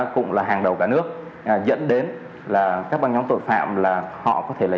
cũng là hàng đầu cả nước dẫn đến là các băng nhóm tội phạm là họ có thể lấy